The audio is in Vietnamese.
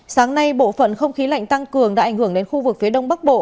sáng nay bộ phận không khí lạnh tăng cường đã ảnh hưởng đến khu vực phía đông bắc bộ